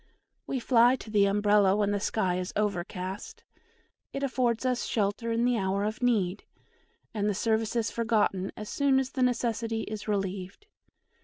We fly to the Umbrella when the sky is overcast it affords us shelter in the hour of need and the service is forgotten as soon as the necessity is relieved.